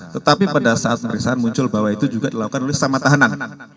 tetapi pada saat pemeriksaan muncul bahwa itu juga dilakukan oleh sesama tahanan